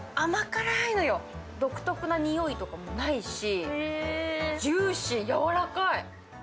独特なにおいとかもないしジューシー、やわらかい。